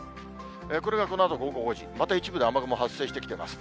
これがこのあと午後５時、また一部で雨雲発生してきてます。